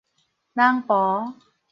人酺